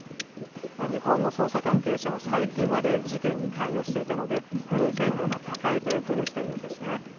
日本の捜査関係者は最近まで事件に関与していたので優先度が高いというふうにしているんですね。